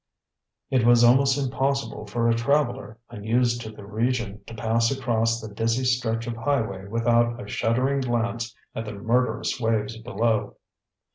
It was almost impossible for a traveler, unused to the region, to pass across the dizzy stretch of highway without a shuddering glance at the murderous waves below.